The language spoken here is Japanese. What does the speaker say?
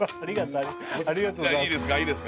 ありがとうございます。